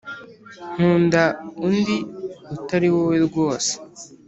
nkunda undi utari wowe rwose.